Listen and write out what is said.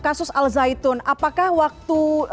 kasus al zaitun apakah waktu